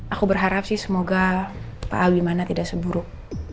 aku berharap sih semoga pak abimana tidak seburuk